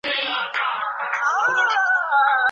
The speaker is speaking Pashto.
که کتابچه تشه وي نو ذهن هم تش پاته کیږي.